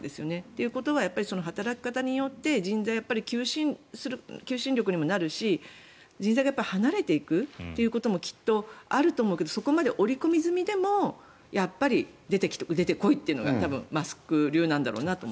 ということは働き方によって人材の求心力にもなるし人材が離れていくということもきっとあると思うけどそこまで織り込み済みでもやっぱり出て来いというのがマスク流なんだろうなと。